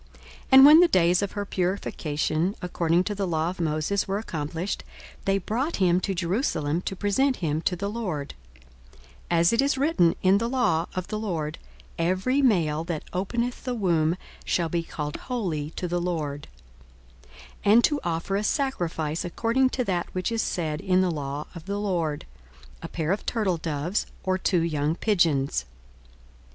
42:002:022 And when the days of her purification according to the law of Moses were accomplished, they brought him to Jerusalem, to present him to the Lord; 42:002:023 (As it is written in the law of the LORD, Every male that openeth the womb shall be called holy to the Lord;) 42:002:024 And to offer a sacrifice according to that which is said in the law of the Lord, A pair of turtledoves, or two young pigeons.